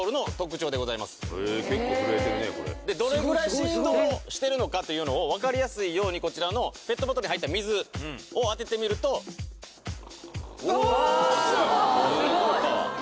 これすごいすごいすごいどれぐらい振動してるのかというのを分かりやすいようにこちらのペットボトルに入った水を当ててみるとうわわあすごい・えっ？